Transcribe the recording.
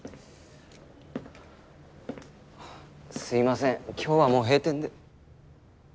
すいません今日はもう閉店で。